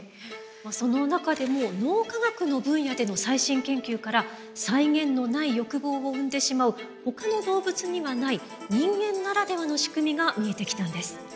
その中でも脳科学の分野での最新研究から際限のない欲望を生んでしまうほかの動物にはない人間ならではの仕組みが見えてきたんです。